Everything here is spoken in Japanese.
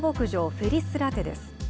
フェリスラテです。